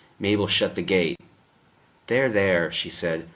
Mabel shut the gate. "There, there," she said.